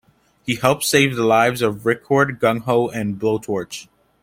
He helps save the lives of Ripcord, Gung-Ho and Blowtorch.